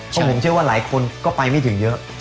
เพราะผมเชื่อว่าหลายคนก็ไปไม่ถึงเยอะ